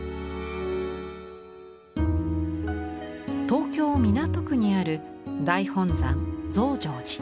東京・港区にある大本山増上寺。